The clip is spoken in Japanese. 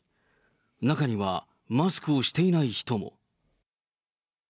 中にはマスクをしていない人も。